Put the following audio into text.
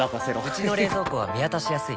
うちの冷蔵庫は見渡しやすい